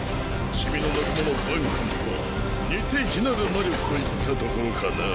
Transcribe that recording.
チミの仲間のバン君と似て非なる魔力といったところかな。